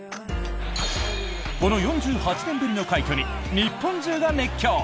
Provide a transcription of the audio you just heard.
この４８年ぶりの快挙に日本中が熱狂！